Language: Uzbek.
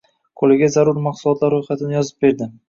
Qoʻliga zarur mahsulotlar roʻyxatini yozib berdi.